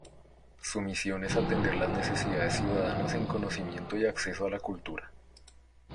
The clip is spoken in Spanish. Su misión es atender las necesidades ciudadanas en conocimiento y acceso a la cultura.